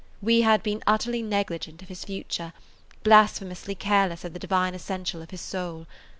We had been utterly negligent of his future, blasphemously careless of the divine essential of his soul.